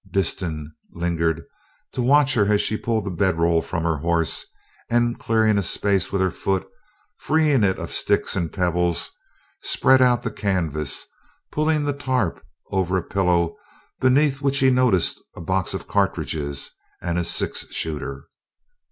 Disston lingered to watch her as she pulled the bedroll from her horse; and, clearing a space with her foot, freeing it of sticks and pebbles, spread out the canvas, pulling the "tarp" over a pillow beneath which he noticed a box of cartridges and a six shooter.